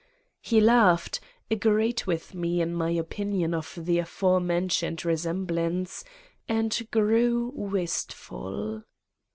He laughed, agreed with me in my opinion of the aforementioned resem blance, and grew wistful.